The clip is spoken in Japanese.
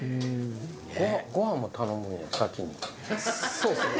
そうっすね。